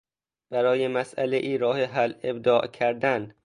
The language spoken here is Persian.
برای مسئلهای راه حل ابداع کردن